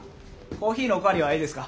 コーヒーのお代わりはええですか？